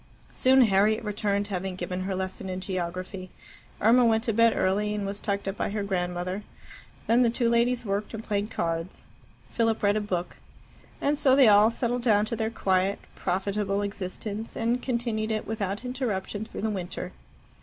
Soon Harriet returned, having given her lesson in geography. Irma went to bed early, and was tucked up by her grandmother. Then the two ladies worked and played cards. Philip read a book. And so they all settled down to their quiet, profitable existence, and continued it without interruption through the winter.